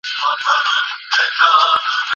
خپل دلایل په ساده او هنري ژبه بیان کړئ.